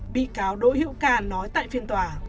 bị cáo đỗ hiệu ca nói tại phiên tòa